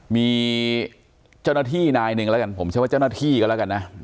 มีเจ้าหน้าที่นายหนึ่งแล้วกันผมเชื่อว่าเจ้าหน้าที่ก็แล้วกันนะ